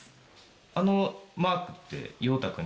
あのマークって。